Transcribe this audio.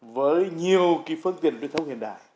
với nhiều cái phương tiện truyền thống hiện đại